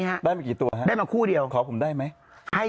ให้มา๑ใส่